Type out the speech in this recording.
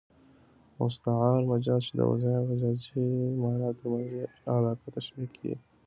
مستعار مجاز، چي د وضعي او مجازي مانا تر منځ ئې علاقه تشبېه يي.